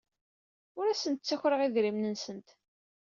Ur asent-ttakreɣ idrimen-nsent.